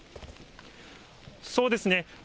そうですね。